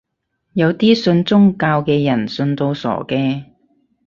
有啲信宗教嘅人信到傻嘅